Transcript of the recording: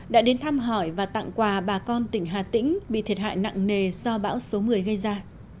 đã đến thăm hỏi và tặng quà bà con tỉnh hà tĩnh bị thiệt hại nặng nề do bão số một mươi gây ra